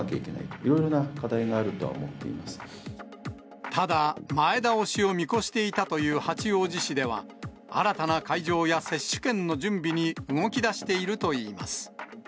いろいろな課題があるとは思ってただ、前倒しを見越していたという八王子市では、新たな会場や接種券の準備に動きだしているといいます。